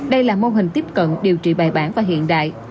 đây là mô hình tiếp cận điều trị bài bản và hiện đại